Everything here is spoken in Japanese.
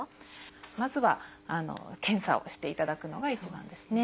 まずは検査をしていただくのが一番ですね。